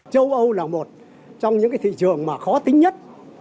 châu âu là một trong những thị trường mà khó tính nhất